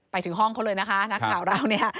ไปถึงห้องเขาเลยนะคะนักข่าวเราเนี่ย